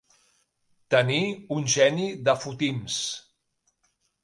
Tenir un geni de fotims.